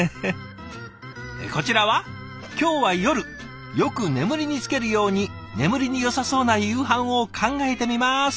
こちらは「今日は夜よく眠りにつけるように眠りに良さそうな夕飯を考えてみます！」